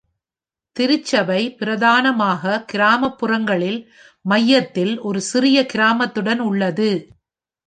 திருச்சபை பிரதானமாக கிராமப்புறங்களில் மையத்தில் ஒரு சிறிய கிராமத்துடன் உள்ளது.